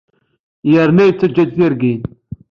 Yrrna yettaǧǧa-d tirgin.